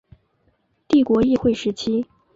帝国议会时期。